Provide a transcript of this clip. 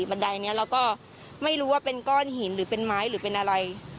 บันไดนี้เราก็ไม่รู้ว่าเป็นก้อนหินหรือเป็นไม้หรือเป็นอะไร